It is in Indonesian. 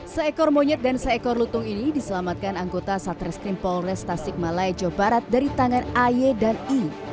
seekor monyet dan seekor lutung ini diselamatkan anggota satreskrim polres tasik malaya jawa barat dari tangan aye dan i